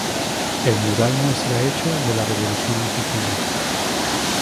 El mural muestra hecho de la Revolución Mexicana.